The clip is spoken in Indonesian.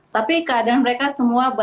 tapi keadaan mereka semua